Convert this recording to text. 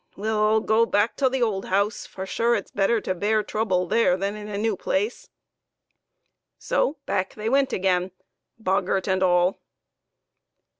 We'll all go back tull th' old house, for sure it's better to bear trouble there than in a new place." So back they went again boggart and all.